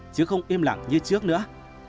chứ không im lặng như trước nữa